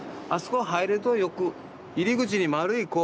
あそこ入るとよく入り口に丸い